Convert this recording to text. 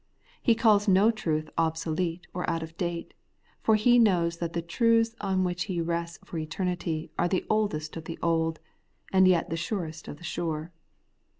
He calls no truth obsolete or out of date ; for he knows that the truths on which he rests for eternity are the oldest of the old, and yet the surest of the sure.